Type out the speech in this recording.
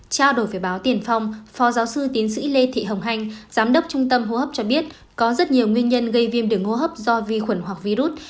trao đổi với báo tiền phong phó giáo sư tiến sĩ lê thị hồng hanh giám đốc trung tâm hô hấp cho biết có rất nhiều nguyên nhân gây viêm đường hô hấp do vi khuẩn hoặc virus